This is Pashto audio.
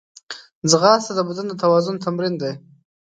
ځغاسته د بدن د توازن تمرین دی